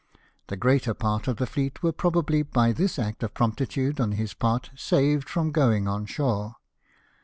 The greater part of the .fleet were probably, by this act of promptitude on his part, saved from going on shore.